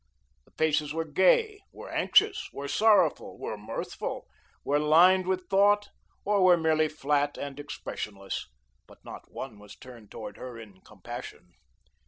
The faces were gay, were anxious, were sorrowful, were mirthful, were lined with thought, or were merely flat and expressionless, but not one was turned toward her in compassion.